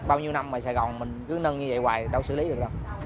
bao nhiêu năm mà sài gòn mình cứ nâng như vậy hoài là đâu xử lý được đâu